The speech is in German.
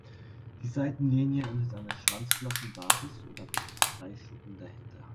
Die Seitenlinie endet an der Schwanzflossenbasis oder bis zu drei Schuppen dahinter.